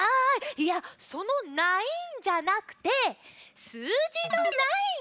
いやその「ないん」じゃなくてすうじの「９」。